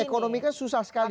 ekonomi kan susah sekali